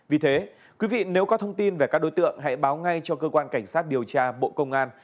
vì thế quý vị nếu có thông tin về các đối tượng hãy báo ngay cho cơ quan cảnh sát điều tra bộ công an